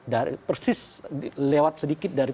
dari persis lewat sedikit dari